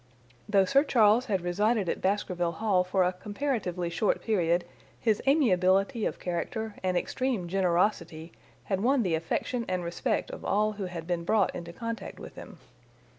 Though Sir Charles had resided at Baskerville Hall for a comparatively short period his amiability of character and extreme generosity had won the affection and respect of all who had been brought into contact with him.